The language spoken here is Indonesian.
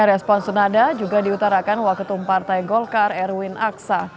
respon senada juga diutarakan waketum partai golkar erwin aksa